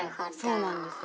そうなんですよ。